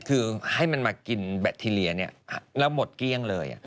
คือให้มันมากินแบคทีเรียแล้วหมดเกลี้ยงเลย